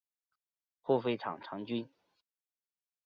后废广长郡。